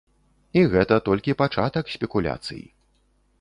І гэта толькі пачатак спекуляцый.